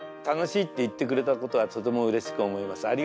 楽しいって言ってくれたことがとてもうれしく思います。